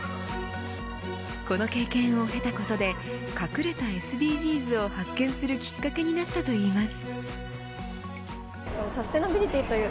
この経験を経たことで隠れたＳＤＧｓを発見するきっかけになったといいます。